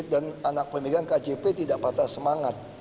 dan anak pemegang kjp tidak patah semangat